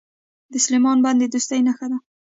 د سلما بند د دوستۍ نښه ده.